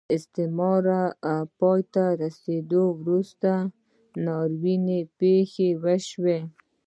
د استعمار له پای ته رسېدو وروسته ناوړه پېښې وشوې.